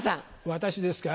私ですか？